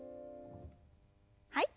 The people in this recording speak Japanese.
はい。